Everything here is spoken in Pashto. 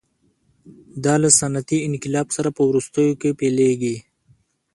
دا له صنعتي انقلاب سره په وروستیو کې پیلېږي.